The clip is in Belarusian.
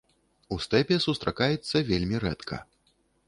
У стэпе сустракаецца вельмі рэдка.